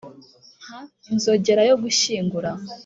nka inzogera yo gushyingura.